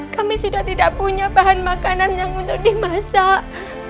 kami sudah tidak punya bahan makanan yang untuk dimasak